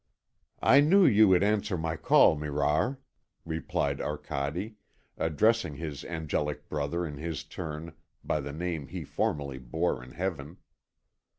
"I knew you would answer my call, Mirar," replied Arcade, addressing his angelic brother in his turn by the name he formerly bore in heaven.